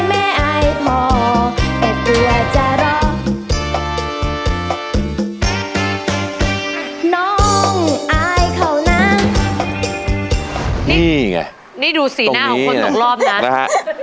นี่ดูสีหน้าของคนตรงรอบนั้น